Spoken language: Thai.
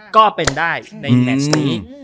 ก็เป็นได้ในแมชนี้